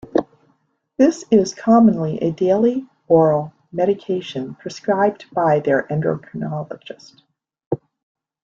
This is commonly a daily oral medication prescribed by their endocrinologist.